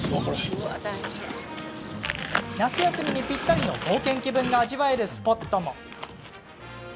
夏休みにぴったりの冒険気分が味わえるスポットも。